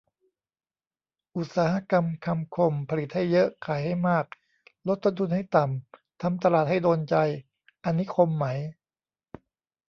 อุตสาหกรรมคำคม ผลิตให้เยอะ ขายให้มาก ลดต้นทุนให้ต่ำ ทำตลาดให้โดนใจ อันนี้ คม ไหม ?